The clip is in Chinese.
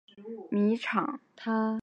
自家经营碾米厂